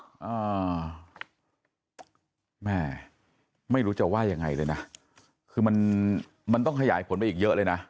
แม่ไม่รู้จะว่ายังไงเลยนะคือมันมันต้องขยายผลไปอีกเยอะเลยนะ